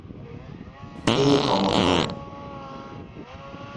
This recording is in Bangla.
এ গমন করেন।